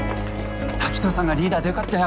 滝藤さんがリーダーで良かったよ。